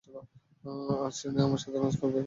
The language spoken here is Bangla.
আজ টিনা আর আমার সাথে লাঞ্চ করবে, - না রাজ না।